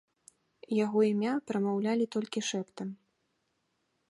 Яго імя прамаўлялі толькі шэптам.